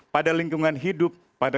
pada lingkungan hidup pada